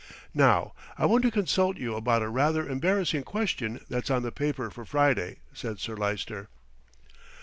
"Now I want to consult you about a rather embarrassing question that's on the paper for Friday," said Sir Lyster.